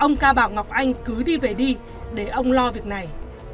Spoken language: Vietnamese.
ông ca bảo ngọc anh cứ đi về đi để ông lo việc này